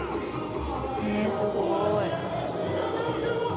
ねえすごい。